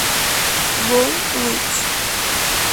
Burn, Witch.